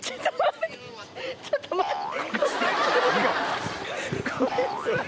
ちょっと待って！